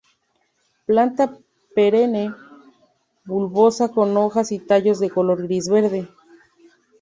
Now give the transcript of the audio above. Planta perenne, bulbosa con hojas y tallos de color gris verde.